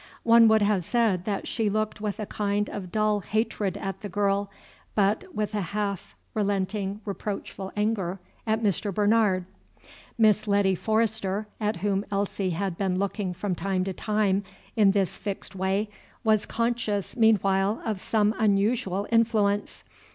One would have said that she looked with a kind of dull hatred at the girl, but with a half relenting reproachful anger at Mr. Bernard. Miss Letty Forrester, at whom Elsie had been looking from time to time in this fixed way, was conscious meanwhile of some unusual influence.